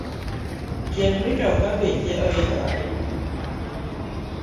Tiend matoka beche oidho ahinya